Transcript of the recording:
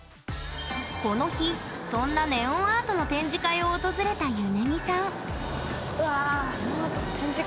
この日そんなネオンアートの展示会を訪れたゆねみさん展示会？